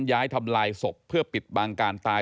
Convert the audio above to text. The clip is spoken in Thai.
ย้ายทำลายศพเพื่อปิดบังการตาย